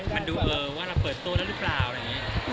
มันดูเออว่าเราเปิดโต้แล้วหรือเปล่าอะไรอย่างนี้